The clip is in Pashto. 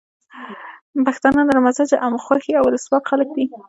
پښتانه نرم مزاجه، امن خوښي او ولسواک خلک دي.